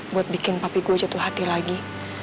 buat bikin papi gue jatuh hati lagi